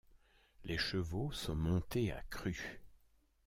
Les chevaux sont montés à cru.